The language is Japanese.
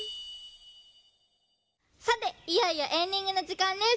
さていよいよエンディングのじかんです。